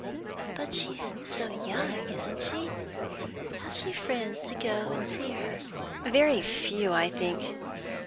"But she's so young, isn't she? Has she friends to go and see her?" "Very few, I think."